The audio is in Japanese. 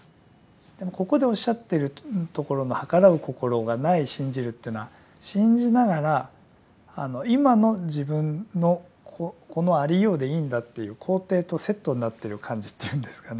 でもここでおっしゃってるところのはからう心がない信じるというのは信じながら今の自分のこのありようでいいんだっていう肯定とセットになってる感じというんですかね。